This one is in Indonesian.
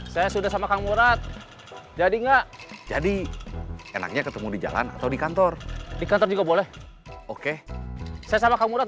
saya juga mau